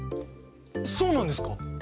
そうなんですか？